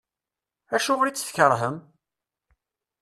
Acuɣer i tt-tkerhem?